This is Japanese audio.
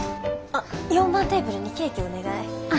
あっ４番テーブルにケーキお願い。